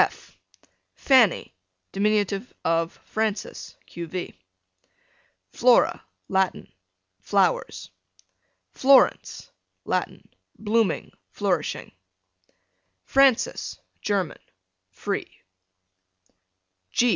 F Fanny, dim. of Frances, q.v. Flora, Latin, flowers. Florence, Latin, blooming, flourishing. Frances, German, free.